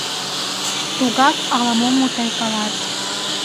Тугак ала-мом мутайкалат.